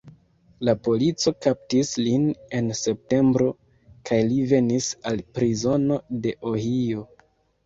La polico kaptis lin en septembro kaj li venis al prizono de Ohio.